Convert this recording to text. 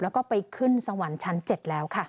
แล้วก็ไปขึ้นสวรรค์ชั้น๗แล้วค่ะ